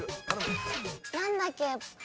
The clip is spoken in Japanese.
何だっけ？